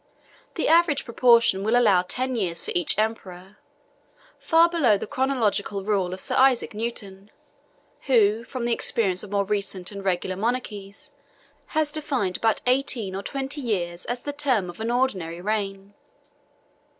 The average proportion will allow ten years for each emperor, far below the chronological rule of Sir Isaac Newton, who, from the experience of more recent and regular monarchies, has defined about eighteen or twenty years as the term of an ordinary reign.